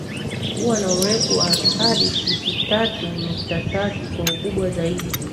huwa na urefu wa hadi futi tatu nukta tatu kwa ukubwa zaidi